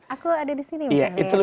aku ada di sini